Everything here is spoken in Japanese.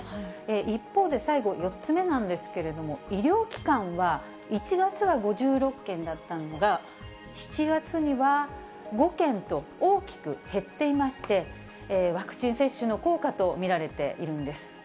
一方で最後、４つ目なんですけれども、医療機関は、１月は５６件だったのが、７月には５件と、大きく減っていまして、ワクチン接種の効果と見られているんです。